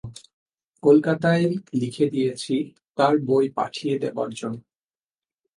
কলকাতায় লিখে দিয়েছি, তার বই পাঠিয়ে দেবার জন্য।